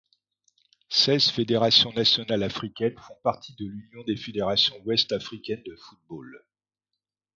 Seize fédérations nationales africaines font partie de l'Union des fédérations ouest-africaines de football.